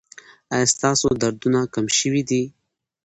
ایا ستاسو دردونه کم شوي دي؟